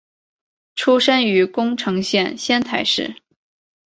出身于宫城县仙台市。